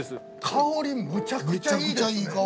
香りむちゃくちゃいいですね。